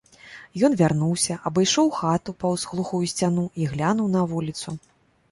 Ён вярнуўся, абышоў хату паўз глухую сцяну і глянуў на вуліцу.